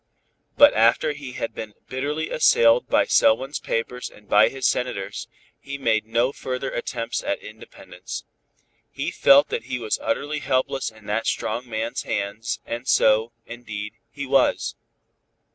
But, after he had been bitterly assailed by Selwyn's papers and by his senators, he made no further attempts at independence. He felt that he was utterly helpless in that strong man's hands, and so, indeed, he was.